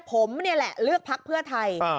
ผมนี่แหละเลือกพักเพื่อไทย